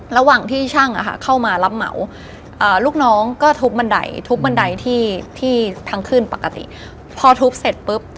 ระหว่างที่ช่างเข้ามารับเหมาลูกน้องก็ทุบบันไดทั้งคืนปกติ